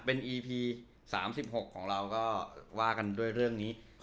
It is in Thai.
เป็นอีพี๓๖ของเราก็ว่ากันด้วยเรื่องนี้